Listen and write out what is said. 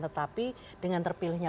tetapi dengan terpilihnya